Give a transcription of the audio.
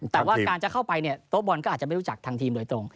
แต่ว่าการจะเข้าไปเนี่ยโต๊ะบอลก็อาจจะไม่รู้จักทางทีมโดยตรง